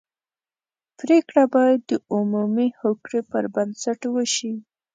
پرېکړه باید د عمومي هوکړې پر بنسټ وشي.